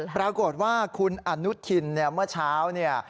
ปรากฏว่าคุณอนุทินเนี่ยเมื่อเช้าเนี่ย